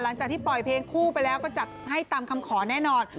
หลังจากที่ปล่อยเพลงคู่ไปแล้วก็จัดให้ตามคำขอแน่นอน